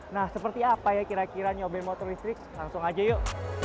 nah seperti apa ya kira kira nyobeng motor listrik langsung aja yuk